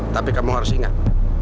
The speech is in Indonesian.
tapi kamu harus ingat